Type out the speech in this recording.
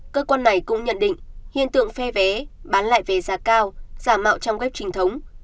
cơ quan này cũng nhận định hiện tượng phe vé bán lại về giá cao giả mạo trong web trinh thống